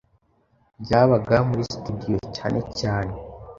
Byabaga muri studio cyane cyane